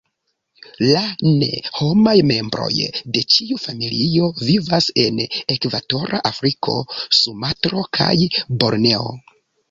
La ne-homaj membroj de ĉi-familio vivas en Ekvatora Afriko, Sumatro, kaj Borneo.